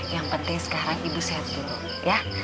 yang penting sekarang ibu sehat dulu ya